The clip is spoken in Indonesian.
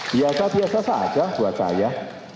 biasa biasa saja buat saya